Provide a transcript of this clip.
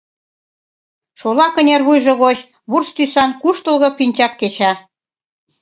Шола кынервуйжо гоч вурс тӱсан куштылго пинчак кеча.